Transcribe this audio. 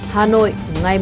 hà nội ngày ba tháng một